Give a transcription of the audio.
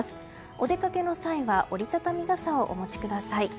お出かけの際は折り畳み傘をお持ちください。